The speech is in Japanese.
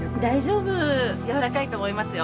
柔らかいと思いますよ。